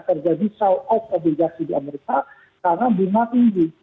terjadi south off obligasi di amerika karena bunga tinggi